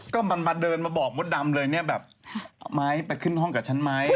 ก็มันมาเดินมาบอกมดดำเลยเนี่ยแบบเอาไม้ไปขึ้นห้องกับฉันไหม